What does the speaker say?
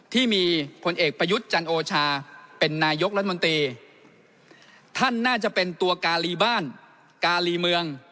ที่มีผลเอกประยุทธ์จันโอชาเป็นนายกรัฐมนตรีท่านน่าจะเป็นตัวการีบ้านกาลีเมือง